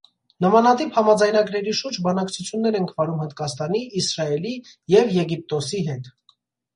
Նմանատիպ համաձայնագրերի շուրջ բանակցութուններ ենք վարում Հնդկաստանի, Իսրայելի և Եգիպտոսի հետ: